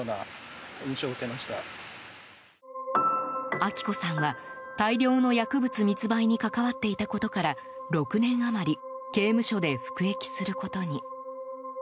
明子さんは、大量の薬物密売に関わっていたことから６年余り刑務所で服役することに。